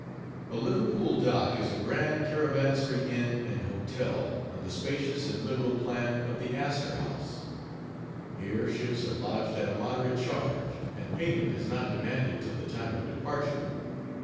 A Liverpool dock is a grand caravansary inn, and hotel, on the spacious and liberal plan of the Astor House. Here ships are lodged at a moderate charge, and payment is not demanded till the time of departure.